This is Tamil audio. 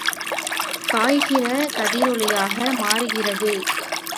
காய்கிற கதிரொளியாக மாறுகிறது.